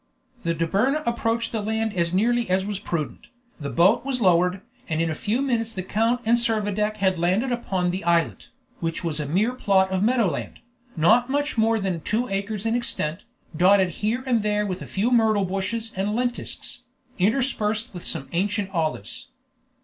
The Dobryna approached the land as nearly as was prudent, the boat was lowered, and in a few minutes the count and Servadac had landed upon the islet, which was a mere plot of meadow land, not much more than two acres in extent, dotted here and there with a few myrtle bushes and lentisks, interspersed with some ancient olives.